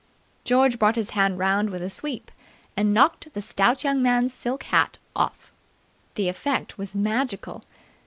George brought his hand round with a sweep and knocked the stout young man's silk hat off. The effect was magical.